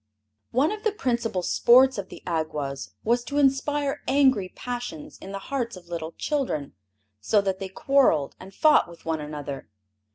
One of the principal sports of the Awgwas was to inspire angry passions in the hearts of little children, so that they quarreled and fought with one another.